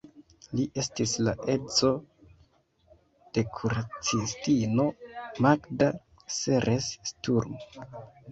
Li estis la edzo de kuracistino Magda Seres-Sturm.